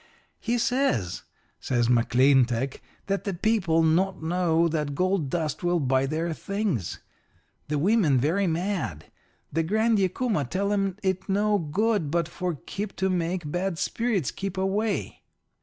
"'He says,' says McClintock, 'that the people not know that gold dust will buy their things. The women very mad. The Grand Yacuma tell them it no good but for keep to make bad spirits keep away.'